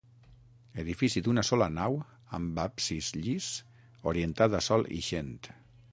Edifici d'una sola nau amb absis llis orientat a sol ixent.